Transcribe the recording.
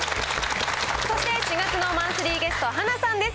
そして４月のマンスリーゲスト、はなさんです。